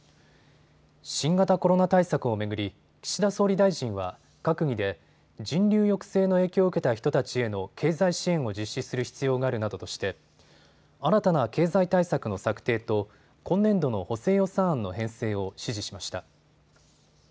新型コロナ対策を巡り岸田総理大臣は閣議で人流抑制の影響を受けた人たちへの経済支援を実施する必要があるなどとして新たな経済対策の策定と今年度の補正予算案の編成を指示しました。